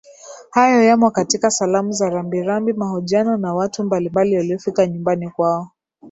Hayo yamo katika salamu za rambirambi mahojiano na watu mbalimbali waliofika nyumbani kwao